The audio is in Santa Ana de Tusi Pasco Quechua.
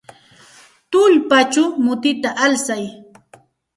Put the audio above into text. Tullpachaw mutita alsay.